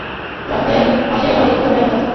রাস্তার পাসেই অনেকগুলো ম্যাচ আছে।